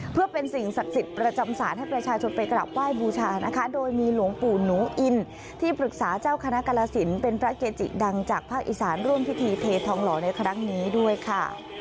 เพื่อเป็นสิ่งศักดิ์สิทธิ์ประจำศาลให้ประชาชนไปกลับไหว้บูชานะคะโดยมีหลวงปู่หนูอินที่ปรึกษาเจ้าคณะกรสินเป็นพระเกจิดังจากภาคอีสานร่วมพิธีเททองหล่อในครั้งนี้ด้วยค่ะ